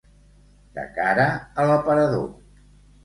De cara a l'aparador.